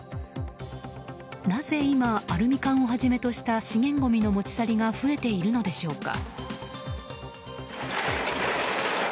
なぜ今、アルミ缶をはじめとした資源ごみの持ち去りが増えているのでしょうか。